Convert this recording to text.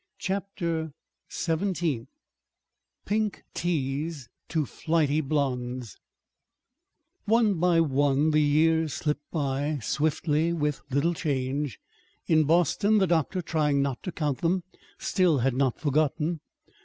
CHAPTER XVII PINK TEAS TO FLIGHTY BLONDES One by one the years slipped by, swiftly, with little change. In Boston, the doctor, trying not to count them, still had not forgotten.